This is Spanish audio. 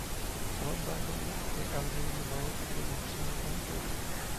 Bob Mandel de The Adrenaline Vault quedó impresionado con el juego.